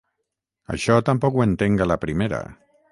Això tampoc ho entenc a la primera.